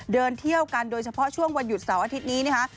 เดินเที่ยวกันโดยเฉพาะช่วงวันหยุดเสาร์อาทิตย์นี้นะคะ